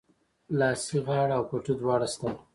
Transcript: لاسي غاړه او پټو دواړه سته